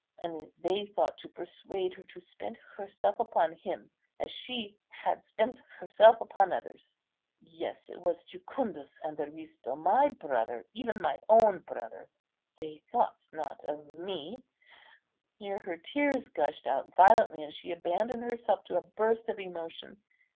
And they thought to persuade her to spend herself upon him, as she had spent herself upon others. Yes, it was Jucundus and Aristo—my brother, even my own brother. They thought not of me." Here her tears gushed out violently, and she abandoned herself to a burst of emotion.